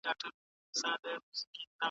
د رنګ اشباع د رنګ د ځواک او روښانتیا اندازه ده.